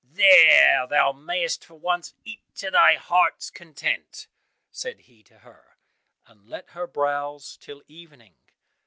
"There thou mayest for once eat to thy heart's content," said he to her, and let her browse till evening.